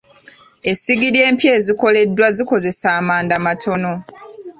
Essigiri empya ezikoleddwa zikozesa amanda matono.